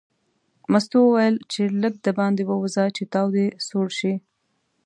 مستو وویل ځه لږ دباندې ووځه چې تاو دې سوړ شي.